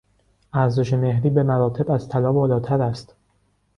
ارزش مهری به مراتب از طلا بالاتر است.